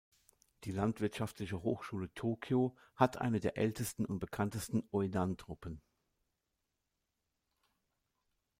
Die Landwirtschaftliche Hochschule Tokyo hat eine der ältesten und bekanntesten Ōendan-Truppen.